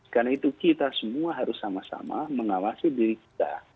karena itu kita semua harus sama sama mengawasi diri kita